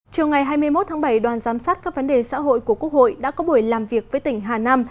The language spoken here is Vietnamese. chiều ngày hai mươi một tháng bảy đoàn giám sát các vấn đề xã hội của quốc hội đã có buổi làm việc với tỉnh hà nam